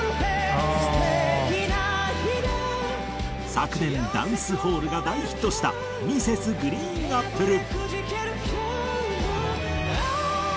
昨年『ダンスホール』が大ヒットしたＭｒｓ．ＧＲＥＥＮＡＰＰＬＥ。